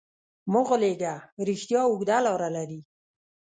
مه غولېږه، رښتیا اوږده لاره لري.